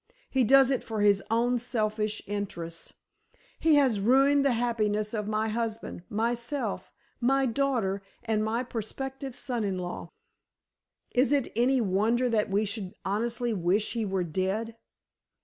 He does it for his own selfish interests. He has ruined the happiness of my husband, myself, my daughter, and my prospective son in law. Is it any wonder that we should honestly wish he were dead?